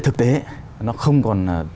thực tế nó không còn